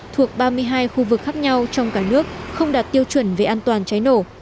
thuộc ba mươi hai khu vực khác nhau trong cả nước không đạt tiêu chuẩn về an toàn cháy nổ